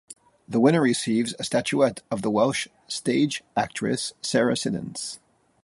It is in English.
The winner receives a statuette of the Welsh stage actress Sarah Siddons.